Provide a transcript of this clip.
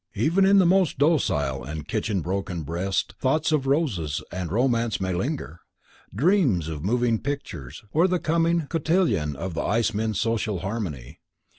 Even in the most docile and kitchen broken breast thoughts of roses and romance may linger; dreams of moving pictures or the coming cotillion of the Icemen's Social Harmony.